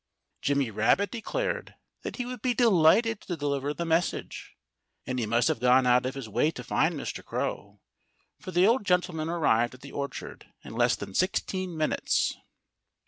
Jimmy Rabbit declared that he would be delighted to deliver the message. And he must have gone out of his way to find Mr. Crow, for the old gentleman arrived at the orchard in less than sixteen minutes.